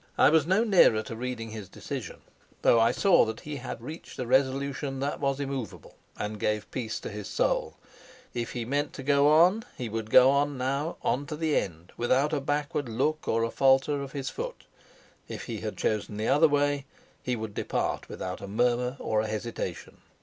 I was no nearer to reading his decision, though I saw that he had reached a resolution that was immovable and gave peace to his soul. If he meant to go on he would go on now, on to the end, without a backward look or a falter of his foot; if he had chosen the other way, he would depart without a murmur or a hesitation.